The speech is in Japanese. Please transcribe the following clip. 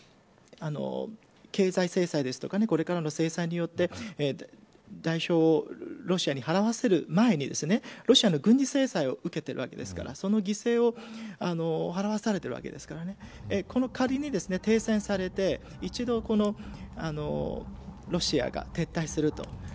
つまりは、この経済制裁やこれからの制裁によって代償をロシアに払わせる前にロシアの軍事制裁を受けているわけですからその犠牲を払わされてるわけですから仮に停戦されて一度ロシアが撤退すると。